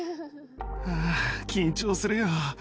ああ、緊張するよ。